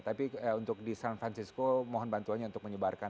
tapi untuk di san francisco mohon bantuannya untuk menyebarkan